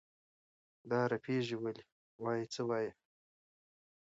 دا رپېږې ولې؟ وایه څه وایې؟